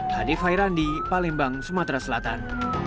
hadif hairandi palembang sumatera selatan